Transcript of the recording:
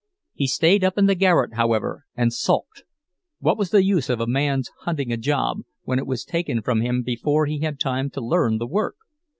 He stayed up in the garret however, and sulked—what was the use of a man's hunting a job when it was taken from him before he had time to learn the work?